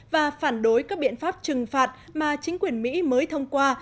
và phản đối các biện pháp trừng phạt mà chính quyền mỹ mới thông qua